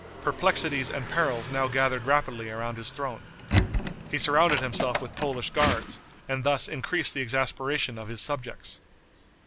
Perplexities and perils now gathered rapidly around his throne. He surrounded himself with Polish guards, and thus increased the exasperation of his subjects.